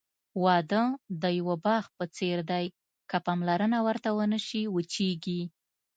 واده د یوه باغ په څېر دی، که پاملرنه ورته ونشي، وچېږي.